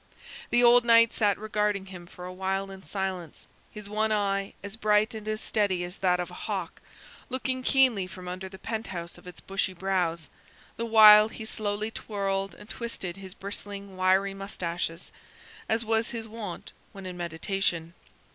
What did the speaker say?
The old knight sat regarding him for a while in silence, his one eye, as bright and as steady as that of a hawk, looking keenly from under the penthouse of its bushy brows, the while he slowly twirled and twisted his bristling wiry mustaches, as was his wont when in meditation.